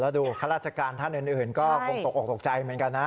แล้วดูฆาตราชการท่านเอิญก็ตกตกใจเหมือนกันนะ